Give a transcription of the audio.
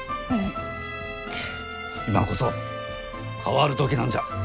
今こそ変わる時なんじゃ。